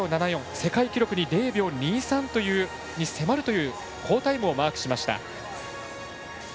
世界記録に０秒２３迫るという好タイムをマークしました。